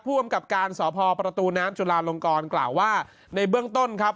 อำกับการสพประตูน้ำจุลาลงกรกล่าวว่าในเบื้องต้นครับ